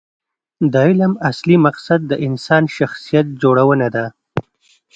د علم اصلي مقصد د انسان شخصیت جوړونه ده.